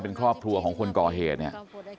เป็นครอบครัวของคนก่อเหตุเนี่ย